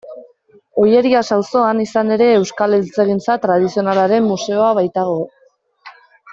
Ollerias auzoan, izan ere, Euskal Eltzegintza Tradizionalaren Museoa baitago.